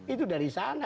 itu dari sana